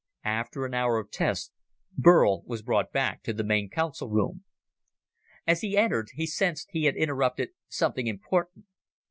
After an hour of tests, Burl was brought back to the main council room. As he entered, he sensed he had interrupted something important.